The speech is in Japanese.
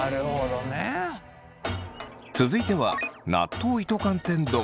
続いては納豆糸寒天丼。